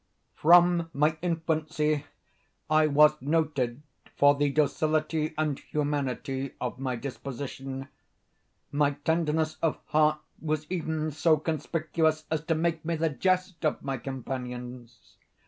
From my infancy I was noted for the docility and humanity of my disposition. My tenderness of heart was even so conspicuous as to make me the jest of my companions.